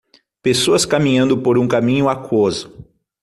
Pessoas caminhando por um caminho aquoso.